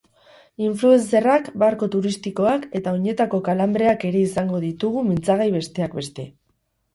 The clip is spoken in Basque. Influencer-ak, barku turistikoak eta oinetako kalanbreak ere izango ditugu mintzagai besteak beste.